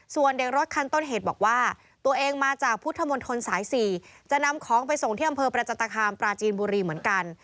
ส่วนเด็กรถคันต้นเหตุบอกว่าตัวเองมาจากพุทธมนตรสาย๔จะนำของไปส่งที่อำเภอประจันตคามปราจีนบุรีเหมือนกัน